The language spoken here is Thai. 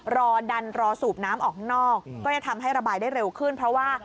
รอดันรอสูบน้ำออกข้างนอกก็จะทำให้ระบายได้เร็วขึ้นเพราะว่า